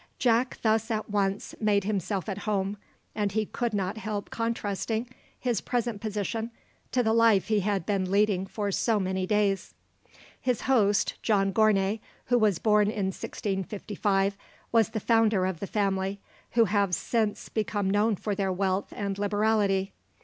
Jack thus at once made himself at home, and he could not help contrasting his present position to the life he had been leading for so many days. His host, John Gournay, who was born in 1655, was the founder of the family, who have since become known for their wealth and liberality.